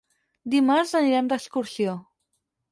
Dimarts anirem d'excursió.